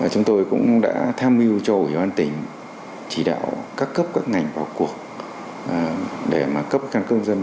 chúng tôi cũng đã tham mưu cho ủy ban tỉnh chỉ đạo các cấp các ngành vào cuộc để cấp căn cước công dân